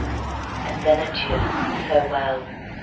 And then adieu, farewell!